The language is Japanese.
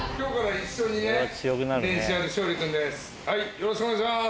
よろしくお願いします。